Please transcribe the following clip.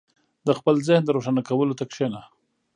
• د خپل ذهن د روښانه کولو ته کښېنه.